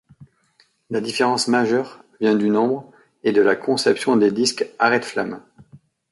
La différence majeure vient du nombre, et de la conception des disques arrête-flammes.